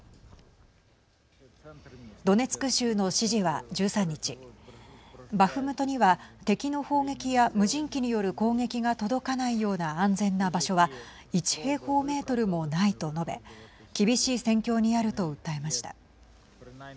ドネツク州の知事は１３日バフムトには敵の砲撃や無人機による攻撃が届かないような安全な場所は１平方メートルもないと述べ厳しい戦況にあると訴えました。